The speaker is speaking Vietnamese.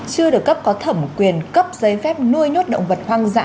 chưa được cấp có thẩm quyền cấp giấy phép nuôi nhốt động vật hoang dã